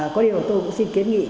có điều tôi cũng xin kiến nghị